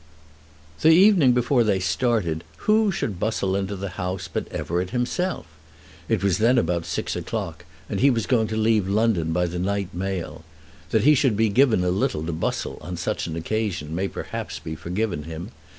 The evening before they started who should bustle into the house but Everett himself. It was then about six o'clock, and he was going to leave London by the night mail. That he should be a little given to bustle on such an occasion may perhaps be forgiven him.